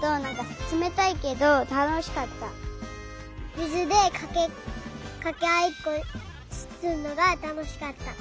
みずでかけあいっこするのがたのしかった。